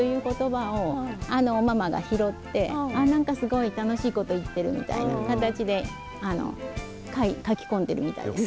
何かすごい楽しいこと言ってるみたいな形で書き込んでるみたいです。